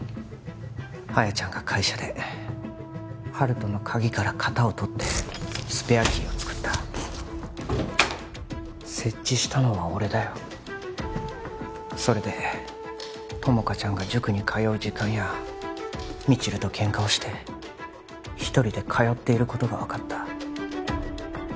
亜矢ちゃんが会社で温人の鍵から型を取ってスペアキーを作った設置したのは俺だよそれで友果ちゃんが塾に通う時間や未知留とケンカをして一人で通っていることが分かった